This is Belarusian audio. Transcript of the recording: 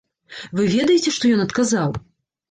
Вы ведаеце, што ён адказаў?